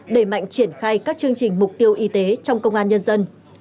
đẩy mạnh triển khai các chương trình mục tiêu y tế trong công an nhân dân